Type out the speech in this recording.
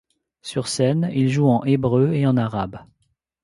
Sur scène, il joue en hébreu et en arabe.